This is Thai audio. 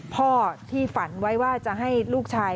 พ่อที่ฝันไว้ว่าจะให้ลูกชาย